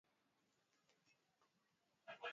siasa ya zanz kwamba sasa tunazika